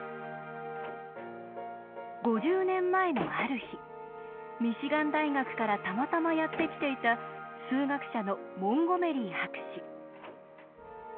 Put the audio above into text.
５０年前のある日ミシガン大学からたまたまやって来ていた数学者のモンゴメリー博士。